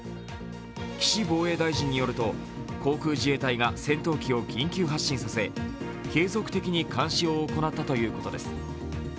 岸防衛大臣によると、航空自衛隊が戦闘機を緊急発進させ継続的に監視を行ったということです。